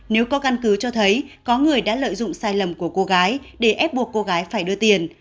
nếu có căn cứ cho thấy có người đã lợi dụng sai lầm của cô gái để ép buộc cô gái phải đưa tiền